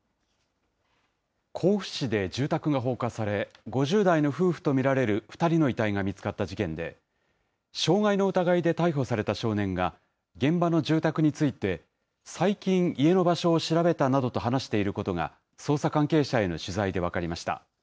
甲府市で住宅が放火され、５０代の夫婦と見られる２人の遺体が見つかった事件で、傷害の疑いで逮捕された少年が、現場の住宅について、最近、家の場所を調べたなどと話していることが、捜査関係者への取材で分かりました。